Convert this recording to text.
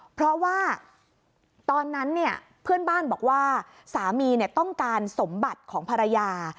เพราะว่าตอนนั้นเนี่ยเพื่อนบ้านบอกว่าสามีต้องการสมบัติของภรรยา